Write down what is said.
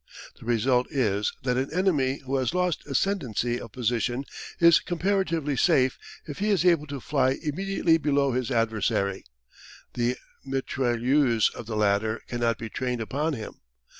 The result is that an enemy who has lost ascendancy of position is comparatively safe if he is able to fly immediately below his adversary: the mitrailleuse of the latter cannot be trained upon him.